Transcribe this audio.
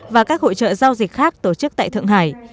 và các hội trợ giao dịch khác tổ chức tại thượng hải